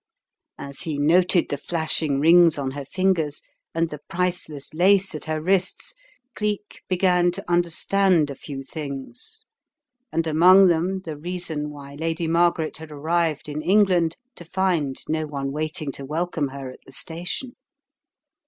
As he noted the flashing rings on her fingers and the priceless lace at her wrists, Cleek began to understand a few things, and among them the reason why Lady Margaret had arrived in England to find no one waiting to welcome her at the station.